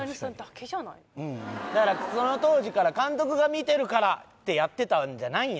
だからその当時から監督が見てるからってやってたんじゃないん